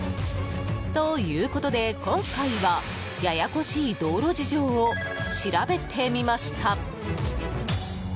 ということで今回はややこしい道路事情を調べてみました。